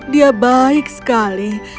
dia baik sekali